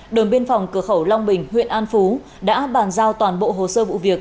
đồn biên phòng cửa khẩu long bình huyện an phú đã bàn giao toàn bộ hồ sơ vụ việc